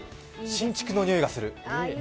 新築のにおいがする。